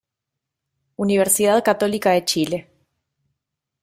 Universidad Católica de Chile.